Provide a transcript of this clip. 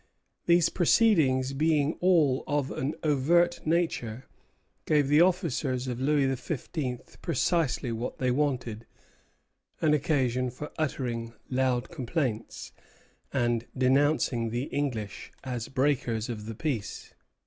These proceedings, being all of an overt nature, gave the officers of Louis XV. precisely what they wanted, an occasion for uttering loud complaints, and denouncing the English as breakers of the peace.